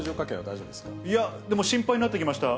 いや、でも心配になってきました。